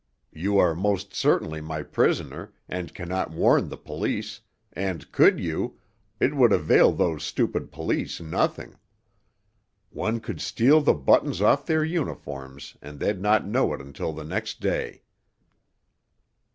You are most certainly my prisoner, and cannot warn the police, and, could you, it would avail those stupid police nothing. One could steal the buttons off their uniforms and they'd not know it until the next day."